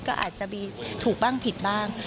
ก็อาจจะมีถูกบ้างผิดบ้าง